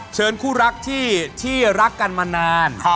คู่รักที่รักกันมานาน